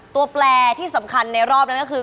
แปลที่สำคัญในรอบนั้นก็คือ